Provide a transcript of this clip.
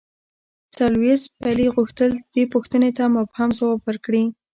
سر لیویس پیلي غوښتل دې پوښتنې ته مبهم ځواب ورکړي.